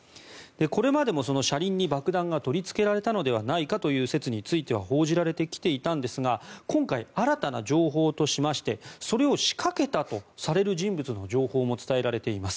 これまでも車輪に爆弾が取りつけられたのではないかという説については報じられてきていたんですが今回、新たな情報としましてそれを仕掛けたとされる人物の情報も伝えられています。